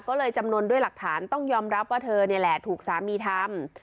ก็เลยจำนวนด้วยหลักฐานต้องยอมรับว่าเธอนี่แหละถูกสามีทำ